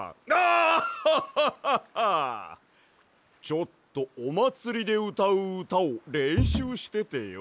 ちょっとおまつりでうたううたをれんしゅうしててよ。